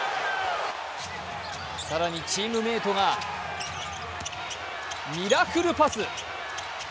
更にチームメイトがミラクルパス。